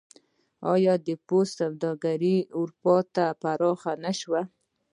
آیا د پوستکي سوداګري اروپا ته پراخه نشوه؟